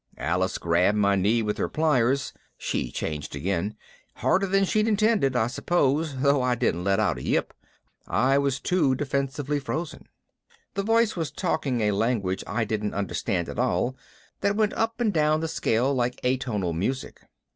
Alice grabbed my knee with her pliers (she changed again), harder than she'd intended, I suppose, though I didn't let out a yip I was too defensively frozen. The voice was talking a language I didn't understand at all that went up and down the scale like atonal music.